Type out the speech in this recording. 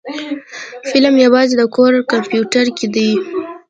فلم يوازې د کور کمپيوټر کې دی.